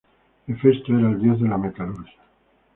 Hefesto era el dios de la metalurgia.